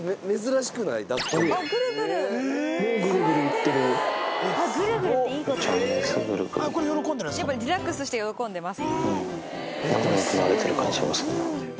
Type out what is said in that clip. シンプルにリラックスして喜んでます。